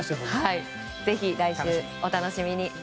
ぜひ来週お楽しみに。